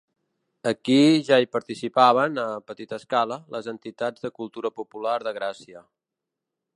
Aquí ja hi participaven, a petita escala, les entitats de cultura popular de Gràcia.